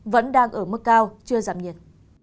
vẫn đang ở mức cao chưa giảm nhiệt